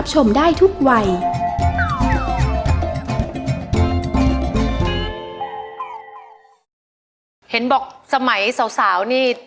เห็นบอกสมัยสาวนี่